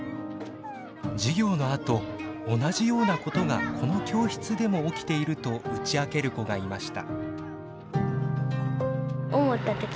授業のあと同じようなことがこの教室でも起きていると打ち明ける子がいました。